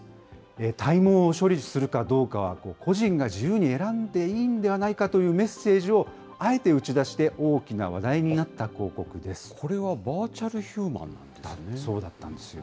体毛を処理するかどうかは個人が自由に選んでいいんではないかというメッセージを、あえて打ち出して、大きな話題になった広告でこれは、バーチャルヒューマそうだったんですよ。